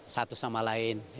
satu sama lain